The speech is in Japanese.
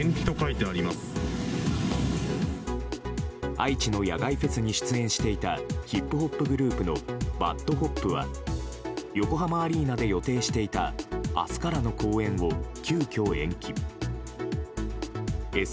愛知の野外フェスに出演していたヒップホップグループのＢＡＤＨＯＰは横浜アリーナで予定していた明日からの公演を急きょ延期。